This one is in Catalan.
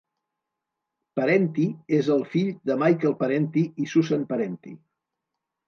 Parenti és el fill de Michael Parenti i Susan Parenti.